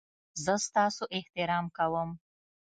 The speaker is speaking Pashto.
زه ستاسو احترام کوم